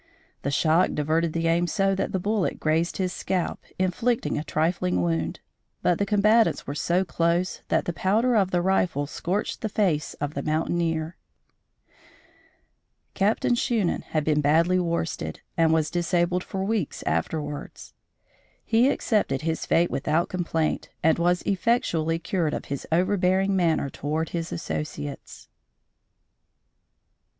The shock diverted the aim so that the bullet grazed his scalp, inflicting a trifling wound; but the combatants were so close that the powder of the rifle scorched the face of the mountaineer. Captain Shunan had been badly worsted, and was disabled for weeks afterward. He accepted his fate without complaint and was effectually cured of his overbearing manner toward his associates.